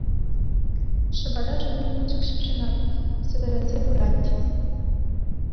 Ҫӑпата ҫумне пылчӑк ҫыпҫӑнать, сӗтӗрӗнсе пырать.